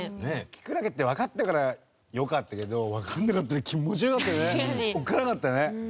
キクラゲってわかったからよかったけどわかんなかったら気持ち悪くてねおっかなかったね。